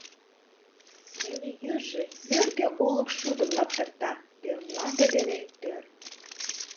Неле йӱржӧ нӧргӧ олык шудым Лаптырта тӧр мланде дене тӧр.